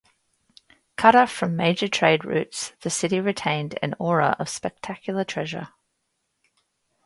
Cut off from major trade routes, the city retained an aura of spectacular treasure.